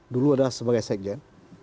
dulu adalah sebagai sekjen